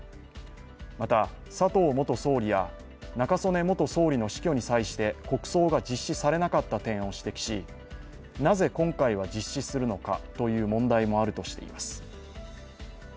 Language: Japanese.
また佐藤元総理や、中曽根元総理の死去に際して国葬が実施されなかった点を指摘し、なぜ今回は実施するのかという問題もあるとしています。